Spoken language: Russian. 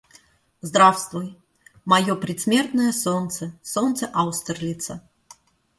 Здравствуй, мое предсмертное солнце, солнце Аустерлица!